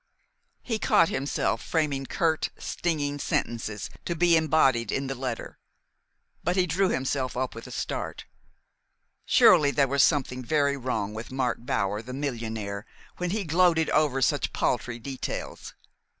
He caught himself framing curt, stinging sentences to be embodied in the letter; but he drew himself up with a start. Surely there was something very wrong with Mark Bower, the millionaire, when he gloated over such paltry details.